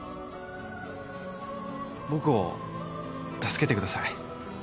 僕を助けてください